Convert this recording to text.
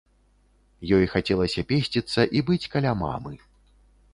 Ёй хацелася песціцца і быць каля мамы.